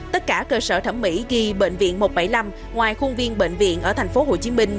tất cả cơ sở thẩm mỹ ghi bệnh viện một trăm bảy mươi năm ngoài khuôn viên bệnh viện ở thành phố hồ chí minh